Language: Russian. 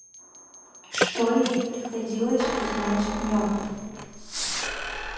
что ей приходилось узнать днем.